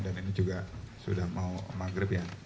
dan ini juga sudah mau maghrib ya